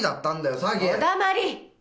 お黙り！